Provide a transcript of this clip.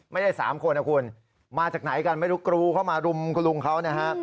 ไม่ได้๓คนนะคุณมาจากไหนกันไม่รู้กรูเข้ามารุมคุณลุงเขานะฮะ